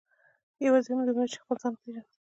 یوازې همدومره چې خپل ځان وپېژنم.